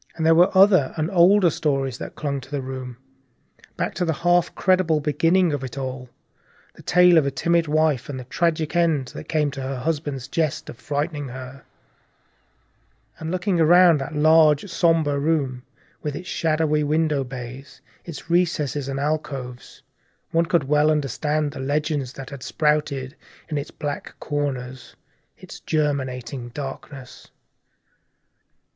There were other and older stories that clung to the room, back to the half incredible beginning of it all, the tale of a timid wife and the tragic end that came to her husband's jest of frightening her. And looking round that huge shadowy room with its black window bays, its recesses and alcoves, its dusty brown red hangings and dark gigantic furniture, one could well understand the legends that had sprouted in its black corners, its germinating darknesses.